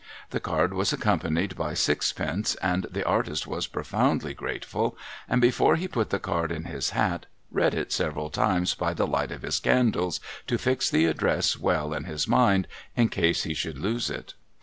The card was accompanied by sixpence, and the artist was profoundly grateful, and, before he put the card in his hat, read it several times by the light of his candles to fix the address well in his mind, in case he should lose it.